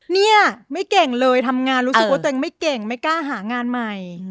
เนี่ยไม่เก่งเลยทำงานรู้สึกว่าตัวเองไม่เก่งไม่กล้าหางานใหม่